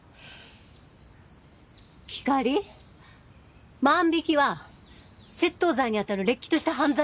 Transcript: ひかり万引きは窃盗罪にあたるれっきとした犯罪なの。